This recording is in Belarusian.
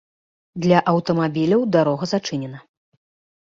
Для аўтамабіляў дарога зачынена.